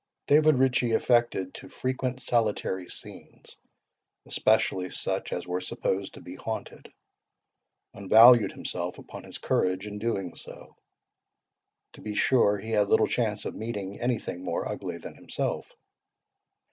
David Ritchie affected to frequent solitary scenes, especially such as were supposed to be haunted, and valued himself upon his courage in doing so. To be sure he had little chance of meeting anything more ugly than himself.